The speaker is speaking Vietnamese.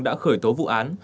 đã khởi tố vụ án